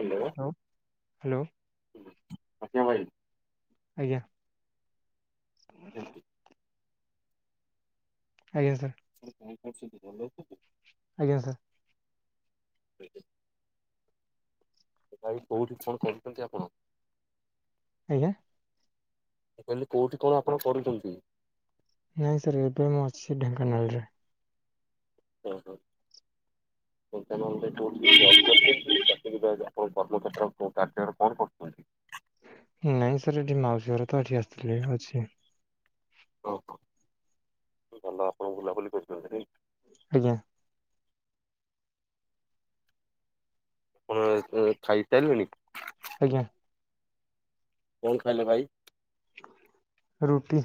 Hello. Hello. ଆଜ୍ଞା ଭାଇ। ଆଜ୍ଞା। କୁହନ୍ତୁ। ଆଜ୍ଞା ସାର୍। ତମେ କଁ କରଚନ୍ତି [unintelligible] ଆଜ୍ଞା ସାର୍। [inaudible] ଭାଇ କୋଉଠି କଣ କରୁଚନ୍ତି ଆପଣ? ଆଜ୍ଞା। କହିଲି କୋଉଠି କଣ ଆପଣ କରୁଚନ୍ତି? ନାଇଁ ସାର୍ ଏବେ ମୁଁ ଅଛି ଢେଙ୍କାନାଳରେ। ହୁଁ ହୁଁ। ଆପଣ [unintelligible] ଜବ କରୁଚନ୍ତି, ଚାକିରୀ [unintelligible] ଆପଣଙ୍କ କର୍ମକ୍ଷେତ୍ର କ କାର୍ଯ୍ୟରେ କଣ କରୁଚନ୍ତି? ନାଇଁ ସାର୍ ଏଠି ମାଉସୀ ଘର ତ ଏଠି ଆସିଥିଲି ଅଛି। ଓହୋ ଭଲ ଆପଣ ବୁଲାବୁଲି କରୁଚନ୍ତି ନାଇଁ। ଆଜ୍ଞା। ଆପଣ ଖାଇସାରିଲେଣି? ଆଜ୍ଞା। କଣ ଖାଇଲେ ଭାଇ? ରୁଟି।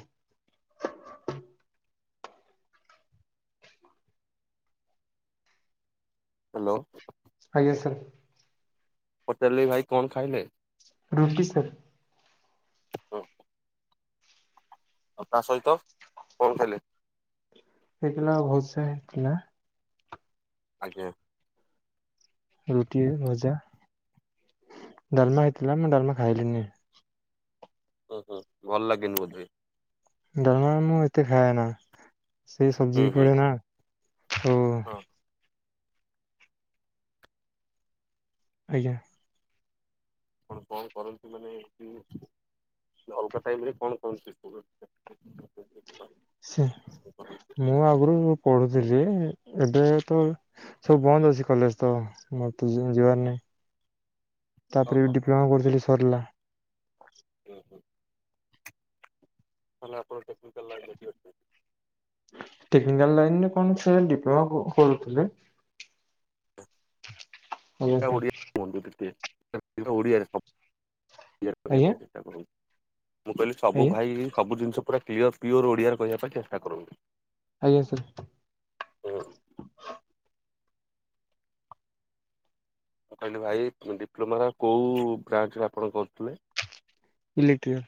ହାଲୋ। ଆଜ୍ଞା ସାର୍। ହୋଟେଲରେ ଭାଇ କଣ ଖାଇଲେ? ରୁଟି ସର୍। ଓ ହ। ଆଉ ତା ସହିତ କଣ ଖାଇଲେ? ହେଇଥିଲା ଭଲସେ ହେଇଥିଲା। ଆଜ୍ଞା। ରୁଟି, ଭଜା, ଡାଲମା ହେଇଥିଲା। ମୁଁ ଡାଲମା ଖାଇଲିିନି। ହ ହୁଁ ଭଲ ଲାଗେନି ବୋଧେ। ଡାଲମା ମୁଁ ଏତେ ଖାଏନା, ସେ ହୁଁ ସବଜିି ବି ହୁଁ। ପଡେ ନା। ହଁ। ଆଜ୍ଞା। ଆପଣ କଣ କରନ୍ତି ମାନେ ଏଠି? ଅଲଗା ଟାଇମରେ କଣ କରନ୍ତି କୁହନ୍ତୁ? [unintelligible] ସେ ମୁଁ ଆଗରୁ ପଢୁଥିଲି ଏବେ ତ ସବୁ ବନ୍ଦ ଅଛି, କଲେଜ ତ ମତେତ ଯିବାର ନାହିଁ। ତାପରେ ବି ଡିପ୍ଲୋମା କରୁଥିଲି, ସରିଲା। ଓ ହୋ। ତାଲେ ଆପଣ ଟେକ୍ନିକାଲ ଲାଇନରେ ବି ଅଛନ୍ତି। ଟେକ୍ନିକାଲ ଲାଇନ ରେ କଣ? ସେ ଡିପ୍ଲୋମା କର କରୁଥିଲେ। ଆଜ୍ଞା ସାର୍ ଓଡ଼ିଆରେ କୁହନ୍ତୁ ଟିକେ, ଓଡ଼ିଆରେ ହ ଯେ କରିବା ଆଜ୍ଞା ପାଇଁ ଚେଷ୍ଟା କରନ୍ତୁ। ମୁଁ କହିଲି ସବୁ ଆଜ୍ଞା ଭାଇ ସବୁ ଜିନିଷ ପୁରା କ୍ଲିଅର ପିଓର ଓଡ଼ିଆରେ କହିବା ପାଇଁ ଚେଷ୍ଟା କରନ୍ତୁ। ଆଜ୍ଞା ସାର୍। କହିଲ ଭାଇ ଡିପ୍ଲୋମାର କୋଉ ବ୍ରାଞ୍ଚ ରେ ଆପଣ କରୁଥିଲେ? ଇଲେକ୍ଟ୍ରିକାଲ।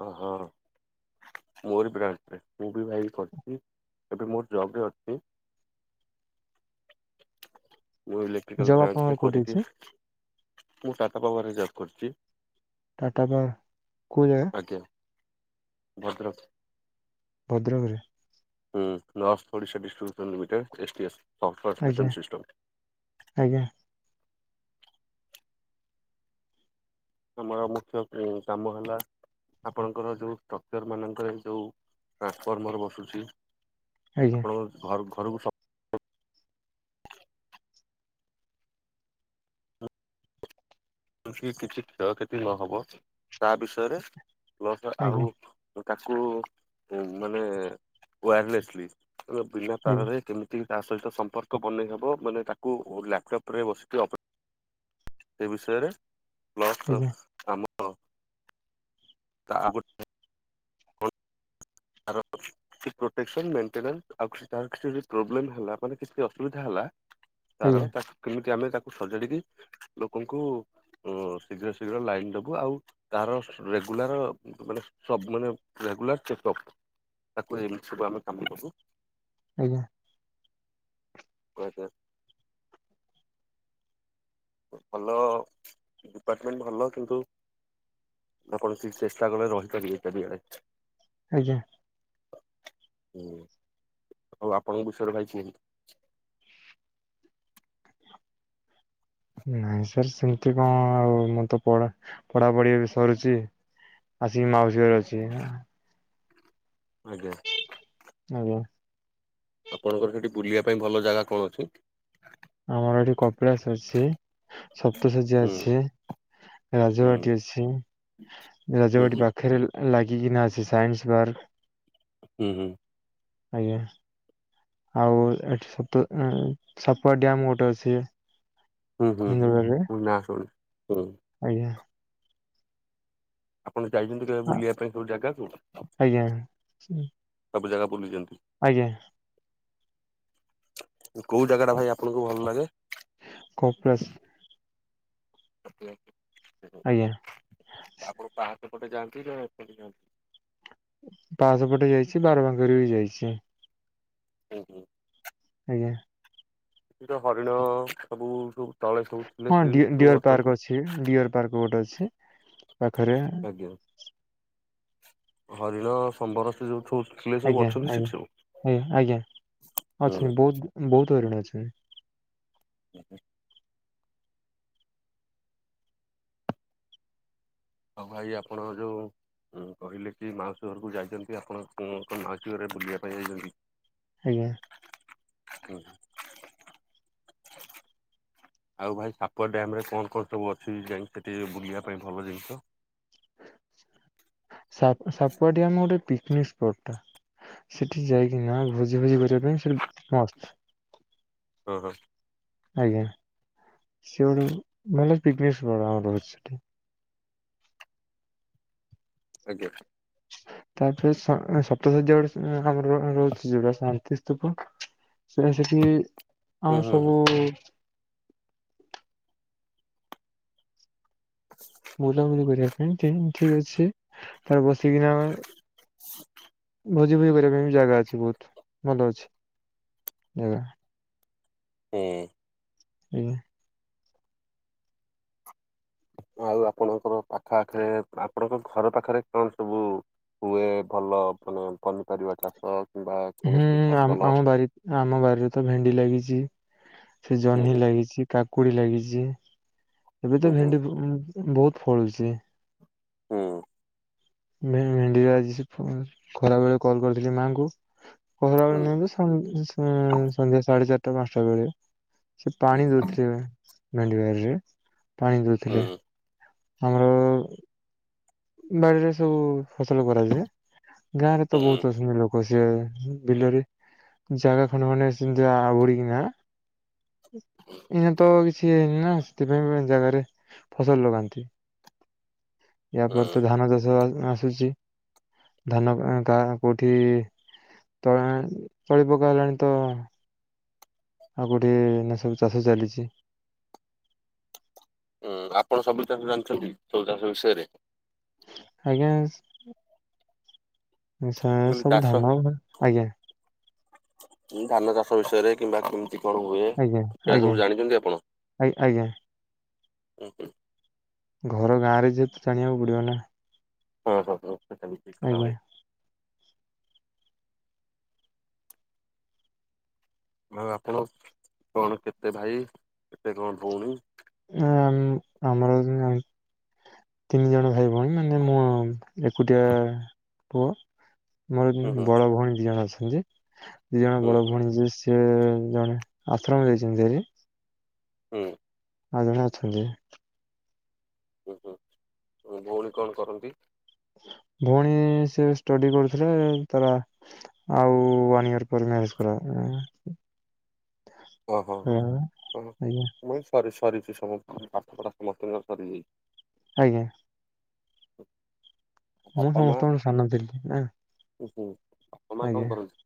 ଓହୋ। ମୋର ବ୍ରାଞ୍ଚରେ ମୁଁ ବି ଭାଇ କରିଚି, ଏବେ ମୋର ଜବ ରେ ଅଛି। [inaudible] ମୁଁ ଇଲେକ୍ଟ୍ରିକାଲ ଜବ୍ ବ୍ରାଞ୍ଚରେ ଆପଣଙ୍କର କୋଉଠି କରିକି ଅଛି ମୁଁ ଟାଟା ପାୱାରରେ ଜବ୍ କରିଚି। ଟାଟା ବା କଉ ଜାଗା? ଆଜ୍ଞା ଭଦ୍ରକ। ଭଦ୍ରକରେ? ହୁଁ north Odisha distribution limited S T S. ଆଜ୍ଞା ସଫ୍ଟୱୋର୍ପସନ୍ ସିଷ୍ଟମ୍। ଆଜ୍ଞା ଆମର ମୁଖ୍ୟ ଉଁ କାମ ହେଲା ଆପଣଙ୍କର ଯୋଉ ଷ୍ଟ୍ରକ୍ଚର ମାନଙ୍କରେ ଯୋଉ ଟ୍ରାନ୍ସଫର୍ମର ବସୁଚି ଆଜ୍ଞା ଆପଣଙ୍କ ଘର ଘରକୁ ସ କିଛି କିଛି କ୍ଷୟକ୍ଷତି ନହବ ତା ବିଷୟରେ ପ୍ଲସ ଆଜ୍ଞା ଆଉ ତାକୁ ମାନେ ୱାୟାରଲେସଲି ମାନେ ବିନା ଆଜ୍ଞା ତାରରେ କେମିତି ତା ସହିତ ସମ୍ପର୍କ ବନେଇ ହେବ ମାନେ ତାକୁ ଲ୍ୟାପଟପ୍ ରେ ବସିକି ଅପ ସେ ବିଷୟରେ ପ୍ଲସ ଆଜ୍ଞା ଆମ ତା ଆଉ ଗୋ ଏ ଆର ପ୍ରୋଟେକସନ୍ ମେଣ୍ଟେନାନ୍ସ ଆଉ କିଛିଟା ତାର କିଛି ବି ପ୍ରୋବେଲମ ହେଲା ମାନେ କିଛି ଅସୁବିଧା ହେଲା ତାର ଆଜ୍ଞା ତାକୁ କିମିତି ତି ଆମେ ତାକୁ ସଜାଡ଼ିକି ଲୋକଙ୍କୁ ଶୀଘ୍ର ଶୀଘ୍ର ଲାଇନ ଦବୁ ଆଉ ତାର ରେଗୁଲାର ମାନେ ସବ ମାନେ ରେଗୁଲାର ଚେକଅପ୍ ତାକୁ ନେଇ ମିଛବୁ ଆମେ କାମ କରୁ। ଆଜ୍ଞା କଆକାର ଭଲ ଡିପାର୍ଟମେଣ୍ଟ ଭଲ କିନ୍ତୁ ଆପଣ କୌଣସି ଚେଷ୍ଟା କଲେ ରହିପାରିବେ ଏଇଟା ବି ଆଡେ ଆଜ୍ଞା। ହୁଁ ହୋଉ ଆପଣଙ୍କ ବିଷୟରେ ଭାଇ କୁହ [inaudible] ନାଇଁ ସାର୍ ସେମିତି କଣ ଆଉ ମୁଁ ତ ପଢ଼ା ପଢାପଢି ଏବେ ସରିଚି। ଆସିକି ମାଉସୀ ଘରେ ଅଛି। ଆଜ୍ଞା। ଆଜ୍ଞା ଆପଣଙ୍କର ସେଠି ବୁଲିବା ପାଇଁ ଭଲ ଜାଗା କଣ ଅଛି? ଆମର ଏଠି କପିଳାସ ଅଛି ସପ୍ତସଯ୍ୟା ହୁଁ ଅଛି। ହୁଁ ରାଜବାଟି ଅଛି ହୁଁ ରାଜବାଟି ପାଖରେ ଲାଗି କିନା ଅଛି ସାଇନ୍ସ ପାର୍କ। ହୁଁ ହୁଁ। ଆଜ୍ଞା। ଆଉ ଏଠି ସାପୁ ଉଁ ସାପୁଆ ଡ୍ୟାମ ଗୋଟେ ଅଛି। ହୁଁ ହୁଁ ହୁଁ ହିନ୍ଦୁଳରେ ମୁ ନାଁ ଶୁଣିଚି ହୁଁ। ଆଜ୍ଞା। ଆପଣ ଯାଇଚନ୍ତି କେବେ ବୁଲିବା ପାଇଁ କୋଉ ଜାଗାକୁ? ଆଜ୍ଞା ସବୁ ଜାଗା ବୁଲିଚନ୍ତି? ଆଜ୍ଞା କୋଉ ଜାଗା ଟା ଭାଇ ଆପଣଙ୍କୁ ଭଲ ଲାଗେ? କପିଳାସ ଆଜ୍ଞା ଆପଣ ପାହା ଏପଟେ ଯାନ୍ତି ନା ଏପଟେ ଯାଆନ୍ତି? ପାହାଚ ପଟେ ଯାଇଚି, ବାରବାଙ୍କରେ ବି ଯାଇଚି। ହୁଁ ହୁଁ। ୟେ ଏ ତ ହରିଣ ସବୁ ସବୁ ତଳେ ସବୁ ଥିଲେ ହଁ ସେ ଡି ସବୁ ଡିଅର ଅଛନ୍ତି। ପାର୍କ ଅଛି, ଡିଅର ପାର୍କ ଗୋଟେ ଅଛି। ପାଖରେ ଆଜ୍ଞା। ହରିଣ ସମ୍ବର ସେ ଯୋଉ ଠୁ ଆଜ୍ଞା ଆଜ୍ଞା ଆଜ୍ଞା ଆଜ୍ଞା ଅଛନ୍ତି ହୁଁ। ବହୁତ ବହୁତ ହରିଣ ଅଛନ୍ତି। [inaudible] ଆଉ ଭାଇ ଆପଣ ଯୋଉ। ହଁ କହିଲେ କି ମାଉସୀ ଘରକୁ ଯାଇଛନ୍ତି ଆପଣ କଣ ମାଉସୀ ଘରରେ ବୁଲିବା ପାଇଁ ଯାଇଛନ୍ତି? ଆଜ୍ଞା। ହୁଁ। ଆଉ ଭାଇ ସାପୁଆ ଡ୍ୟାମରେ କଣ କଣ ସବୁ ଅଛି, ଯାଇ ସେଠି ବୁଲିବା ପାଇଁ ଭଲ ଜିନିଷ? [inaudible] ସା-ସାପୁଆ ଡ୍ୟାମ ଗୋଟେ ପିକନିକ ସ୍ପଟ ଟା। ସେଠି ଯାଇକିନା ଭୋଜି ଭୋଜି କରିବା ପାଇଁ ସେଠି ମସ୍ତ। ହଁ ହଁ। ଆଜ୍ଞା ସିଆଡୁ [unintelligible] ମାନେ ପିକନିକ ସ୍ପଟ ରହୁଛି। ଆଜ୍ଞା। ତାପରେ ସ-ସପ୍ତଶଯ୍ୟା ଗୋଟେ ଉଁ ଆମର ର-ରହୁଛି ଯଉଟା ଶାନ୍ତି ସ୍ତୂପ। ସେ ସେଠି ହୁଁ ଆମର ହୁଁ ହୁଁ ସବୁ ବୁଲାବୁଲି କରିବା ପାଇ ଥିନ୍ ଠିକ ଅଛି ତା ବସିିକନା ଆ [inaudible] ଭୋଜି ଭୋଜି କରିବା ପାଇଁ ବି ଜାଗା ଅଛି ବହୁତ ଭଲ ଅଛି ଜାଗା। ହୁଁ। ଆଜ୍ଞା। ଆଉ ଆପଣଙ୍କର ପାଖଆଖରେ ଆପଣଙ୍କ ଘର ପାଖରେ କଣ ସବୁ? ହୁଏ ଭଲ ମାନେ ପନିପାରିବା ଚାଷ। କିମ୍ବା ହୁଁ କୌଣସି ଫସଲ ଆ-ଆମ-ଆମବାରି ଆମ ବାରିରେ ତ ଭେଣ୍ଡି ଲାଗିଛି। ସେ ଜହ୍ନି ହୁଁ ଲାଗିଛି କାକୁଡି ଲାଗିଛି ଏବେ ହୁଁ ତ ହୁଁ ଭେଣ୍ଡି [unintelligible] ବହୁତ ଫଳୁଛି। ହଁ। ଭେ-ଭେଣ୍ଡିରେ ଆଜି [unintelligible] ଖରା ବେଳେ କଲ୍ କରିଥିଲି ମାଆଙ୍କୁ। ପହରା ବେଳେ ହୁଁ ନୁଁହେତ ସ-ସନ୍ଧ୍ୟା ସାଢେ ଚାରିଟା ପାଞ୍ଚଟା ବେଳେ। ସେ ହୁଁ ପାଣି ଦଉଥିଲେ ଭେଣ୍ଡିବାରିରେ ପାଣି ଦଉଥିଲେ। ହୁଁ ଆମର ବାଡିରେ ସବୁ ଫସଲ କରାଯାଏ ଗାଁ ରେ ତ ହୁଁ ବହୁତ ଅଛନ୍ତି ଲୋକ। ସେ ବିଲରେ ଜାଗା ଖଣ୍ଡେ ଖଣ୍ଡେ ସେ ଜାବୁଡିକିନା ଏଇନ ତ କିଛି ହେଇନିନା ସେଥିପାଇଁ [unintelligible] ଜାଗାରେ ଫସଲ ଲଗାନ୍ତି। ୟା ହୁଁ। ପରେ ତ ଧାନ ଚାଷ ଆ-ଆସୁଛି ଧାନ କା- କୋଉଠି? ତଳା ତଳି ପକା ହେଲାଣି ତ? ଆଉ ଗୋଟେ ଏଇନା ସବୁ ଚାଷ ଚାଲିଛି। ହଁ ଆପଣ ସବୁ ଚାଷ ଜାଣିଛନ୍ତି? ସବୁ ଚାଷ ବିଷୟରେ? ଆଜ୍ଞା। ଆଛା ସେ ମୁଁ କହିଲି ସବୁ ଚାଷ ଧାନ ଆଜ୍ଞା। ଧାନ ଚାଷ ବିଷୟରେ କିମ୍ବା କଣ ହୁଏ ଆଜ୍ଞା ଏଟା ଆଜ୍ଞା ସବୁ ଜାଣିଛନ୍ତି ଆପଣ ଆଜ୍ଞା ଆଜ୍ଞା ହୁଁ। ଘର ଗାଁ ରେ ଯେହେତୁ ଜାଣିବାକୁ ପଡିବ ନା? ହଁ ହଁ ହଁ ସେମିତି କଥା ଆଜ୍ଞା ଭାଇ। ଆଉ ଆପଣ କଣ କେତେ ଭାଇ କେତେ କଣ ଭଉଣୀ? ଆ-ଆମ-ଆମର ତିନି ଜଣ ଭାଇ ଭଉଣୀ ମାନେ ମୁଁ ଏକୁଟିଆ ପୁଅ। ମୋର ବି ହୁଁ ହୁଁ ବଡ ଭଉଣୀ ଦି ଜଣ ଅଛନ୍ତି ଦି ଜଣ ହୁଁ ବଡ ଭଉଣୀ ଯିଏ ସିଏ ଜଣେ ଆଶ୍ରମ ଜାଇଛନ୍ତି ହାରି। ହୁଁ। ଆଉଜାଣେ ଅଛନ୍ତି। ହୁଁ ହୁଁ ଭଉଣୀ କଣ କରନ୍ତି? ଭଉଣୀ ସେ ଷ୍ଟଡି କରୁଥିଲେ ତାର ଆ ଆଉ ୱାନ ଇୟର ପରେ ମ୍ୟାରେଜ୍ କରାହବ। ହ ହଁ ହ ହ ଆଜ୍ଞା ମୁ ସରି ସରିଛି ସମସ୍ତ ପାଠପଢ଼ା ସମସ୍ତଙ୍କ ସରିଯାଇଛି। ଆଜ୍ଞା। ମୁଁ ବାପା ମା ସମସ୍ତଙ୍କଠୁ ସାନ ଥିଲିଁ। ଉହୁଁ ବାପା ମା ଆଜ୍ଞା କଣ କରନ୍ତି?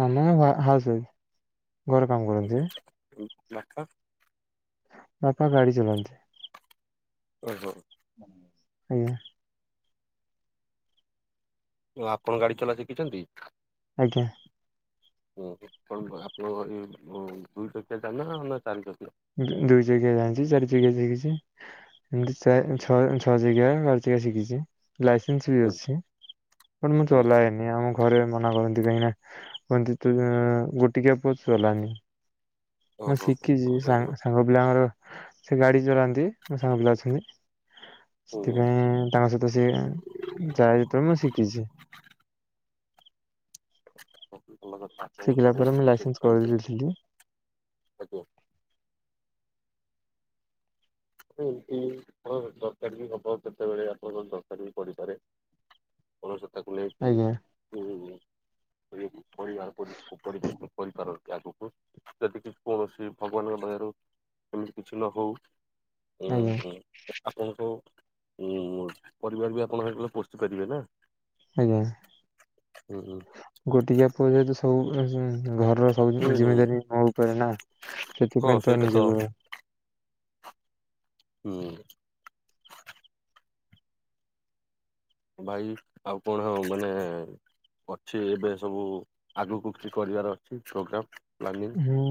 ମାମା ହାଉସ ୱାଇଫ। ଘର କାମ କରନ୍ତି [unintelligible] ବାପା ଗାଡି ଚଲାନ୍ତି। ଓହୋ। ଆଜ୍ଞା। ଆପଣ ଗାଡି ଚଲା ଶିଖିଛନ୍ତି? ଆଜ୍ଞା। ହ କ ଆପଣ ଆପଣଙ୍କ ଘରେ ଦୁଇ ଚକିଆ ଯାନ ନା ଚାରି ଚକି ଦୁ- ଦୁଇ ଚକିଆ ଏମତି ଚା ହୁଁ ଛଅ ଛଅ ଚକିଆ ବାର ଚକିଆ ଶିଖିଛି। ଲାଇସେନ୍ସ ବି ହୁଁ ଅଛି ବ ମୁଁ ହୁଁ, ଚଲାଏନି ଆମକୁ ଘରେ ମନା କରନ୍ତି କାହିଁକିନା କୁହନ୍ତି ତୁ ଗୋଟିକିଆ ପୁଅ ଚଲାନୀ। ମୁଁ ଓହୋ ଶିଖିଛି ଓହୋ, ସା ସାଙ୍ଗ ପିଲାଙ୍କର ସେ ଗାଡି ଚଳାନ୍ତି ମୋ ସାଙ୍ଗ ପିଲା ଅଛନ୍ତି। ହୁଁ, ସେଥିପାଇଁ ତାଙ୍କ ସହିତ ସେ ଯାଏ ଯେତେବେଳେ ମୁଁ ଶିଖିଛି। ଓ ଶିଖିଲା ପରେ ମୁଁ ଲାଇସେନ୍ସ କରିଦେଇଥିଲି। ଏମତି ଆ ଦରକାର ହବ କେତେବେଳେ ଆପଣଙ୍କ ଦରକାର ବି ପଡିପାରେ। କୋଉନସତାକୁ ନେଇକି ଆଜ୍ଞା ଯଦି ପରିବାର ପରି ପରିବେଷଣ କରିପାରନ୍ତି ଆଗକୁ ଯଦି କି କୌଣସି ଭଗବାନଙ୍କ ଦୟାରୁ ଏମିତି କିଛି ନହଉ ଆଜ୍ଞା ଆପଣଙ୍କୁ ହୁ ପରିବାର ବି ଆପଣ ପୋଷି ପାରିବେ ନା ଆଜ୍ଞା ହୁଁ ଗୋଟିକିଆ ପୁଅ ଜଦି ସବୁ ଘର ତ ସବୁ ହୁଁ ହୁଁ ଜିମେଦାରି ମୋ ଉପରେ ନା ହଁ ସେଥିପାଇଁ ତ ସେଇଟା ନିଜକୁ ହୁଁ। ଭାଇ ଆଉ କଣ ଆଉ ମାନେ ଅଛି ଏବେ ସବୁ ଆଗକୁ କିଛି କରିବାର ଅଛି ପ୍ରୋଗ୍ରାମ ପ୍ଲାନିଂ ହଁ।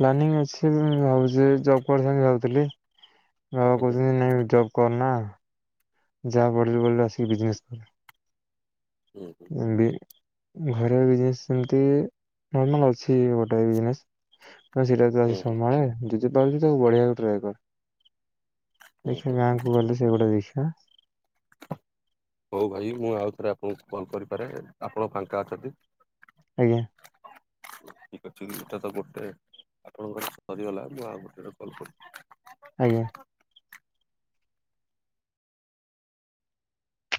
ପ୍ଲାନିଂ ଅଛି ଭାବୁଛି ଜବ୍ କରି କରିଥାନ୍ତି ଭାବୁଥିଲି ବାବା ଆଜ୍ଞା କହୁଛନ୍ତି ନାଇଁ ଜବ୍ କରନା ଯାହା ପଢ଼ିଲି ପଢ଼ିଲୁ ଆସିକି ବିଜନେସ୍ କର। ହୁଁ ହୁଁ ଏମ୍ବି ଘରେ ବିଜନେସ୍ ସେମତି ନର୍ମାଲ ଅଛି ଗୋଟେ ବିଜନେସ୍ ନା ସେଇଟା ତ ହୁଁ ଆସି ହୁଁ ସମ୍ଭାଳେ ଯଦିପାରୁଛି ତାକୁ ବଢିଆକୁ ଟ୍ରାଏ କର। ହୁଁ ଦେଖା ହୁଁ ହୁଁ ଗାଁକୁ ଗଲେ ସେ ଗୁଟା ଦେଖିବା। ହଉ ଭାଇ ମୁଁ ଆଉଥରେ ଆପଣଙ୍କୁ କଲ କରିପାରେ ଆପଣ ଫାଙ୍କା ଅଛନ୍ତି? ଆଜ୍ଞା। [unintelligible] ଠିକ୍ ଅଛି ଏଇଟା ତ ଗୋଟେ ଆପଣଙ୍କର ସରିଗଲା ମୁଁ ଆଉ ଗୋଟେରେ କଲ୍ କରିବି। ଆଜ୍ଞା।